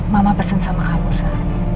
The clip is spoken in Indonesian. mama pesen sama kamu saya